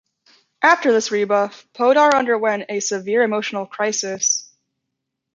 After this rebuff, Poddar underwent a severe emotional crisis.